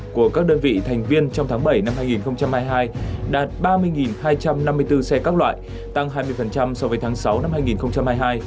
của các đơn vị thành viên trong tháng bảy năm hai nghìn hai mươi hai đạt ba mươi hai trăm năm mươi bốn xe các loại tăng hai mươi so với tháng sáu năm hai nghìn hai mươi hai